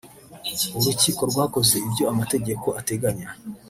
urukiko rwakoze ibyo amategeko ateganya